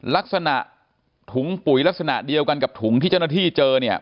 ลักษณะถุงปุ๋ยลักษณะเดียวกันกับถุงที่เจ้าหน้าที่เจอเนี่ย